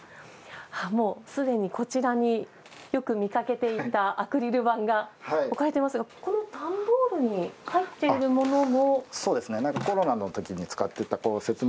もうすでに、こちらによく見かけていたアクリル板が置かれてますがこの段ボールに入っているものも。